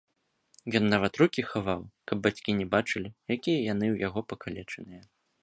Ён нават рукі хаваў, каб бацькі не бачылі, якія яны ў яго пакалечаныя.